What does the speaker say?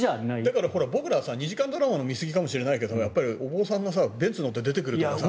だから僕ら２時間ドラマの見すぎかもしれないけどお坊さんがベンツに乗って出てくるとかさ。